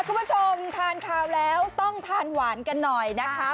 คุณผู้ชมทานข้าวแล้วต้องทานหวานกันหน่อยนะคะ